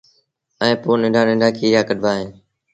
ائيٚݩ پو ننڍآ ننڍآ کيريآ ڪڍبآ اهيݩ